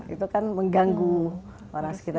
itu kan mengganggu orang sekitar